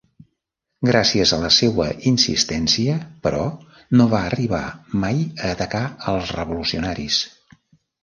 Gràcies a la seua insistència, però, no va arribar mai a atacar als revolucionaris.